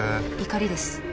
「怒り」です。